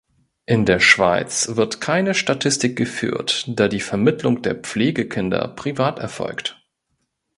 In der Schweiz wird keine Statistik geführt, da die Vermittlung der Pflegekinder privat erfolgt.